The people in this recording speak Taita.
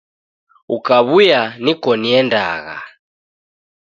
Ukaw'uya niko niendagha.